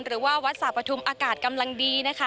หรือว่าวัดสาปฐุมอากาศกำลังดีนะคะ